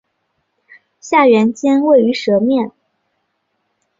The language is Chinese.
下原尖位于舌面。